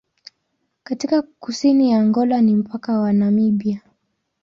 Katika kusini ya Angola ni mpaka na Namibia.